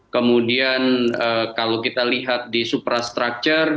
kemudian kalau kita lihat di suprastructure